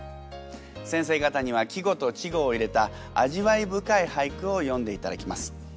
先生方には季語と稚語を入れた味わい深い俳句を詠んでいただきます。